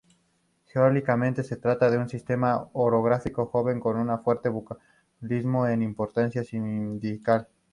Geológicamente se trata de un sistema orográfico joven con fuerte vulcanismo e importante sismicidad.